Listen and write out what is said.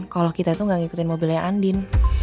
kalau kita itu gak ngikutin mobilnya andin